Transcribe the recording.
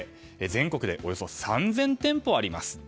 全国でおよそ３０００店舗あります。